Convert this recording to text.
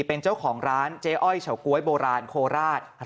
เป็นเจ้าของร้านเจ๊อ้อยเฉาก๊วยโบราณโคราช